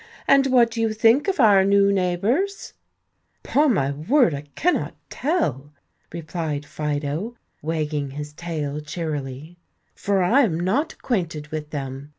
And what do you think of our new neighbors?" "Upon my word, I cannot tell," replied Fido, wagging his tail cheerily, "for I am not acquainted with them.